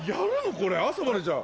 これ朝までじゃん。